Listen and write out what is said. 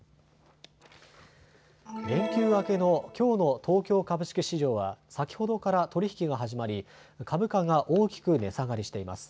連休明けのきょうの東京株式市場は先ほどから取り引きが始まり株価が大きく値下がりしています。